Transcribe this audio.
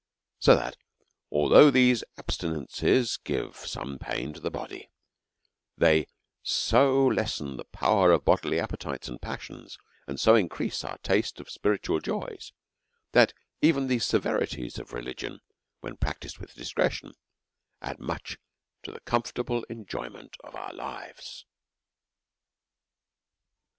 So that although these abstinences give some pain to the body, yet they so lessen the power of bodily appetites and passions, and so increase our taste of spiritual joys^ that even 128 A SERIOUS CALL TO A these severities of religion^ when practised with dis cretion^ add much to the comfortable enjoyment of our Hves.